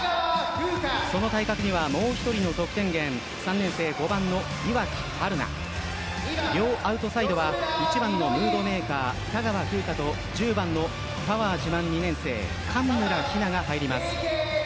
その対角にはもう１人の得点源３年生、５番の岩城遥南両アウトサイドは１番のムードメーカー田川楓夏と１０番のパワー自慢の２年生上村日菜が入ります。